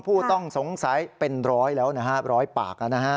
ผู้ต้องสงสัยเป็นร้อยแล้วนะฮะร้อยปากนะฮะ